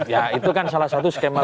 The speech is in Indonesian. ya itu kan salah satu skema